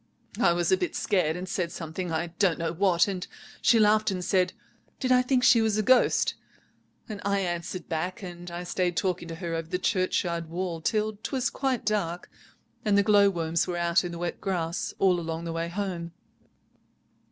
I was a bit scared and said something—I don't know what—and she laughed and said, 'Did I think she was a ghost?' and I answered back, and I stayed talking to her over the churchyard wall till 'twas quite dark, and the glowworms were out in the wet grass all along the way home.